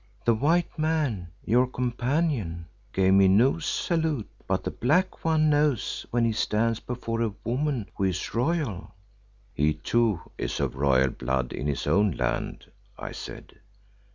"The white man, your companion, gave me no salute, but the Black One knows when he stands before a woman who is royal." "He too is of royal blood in his own land," I said.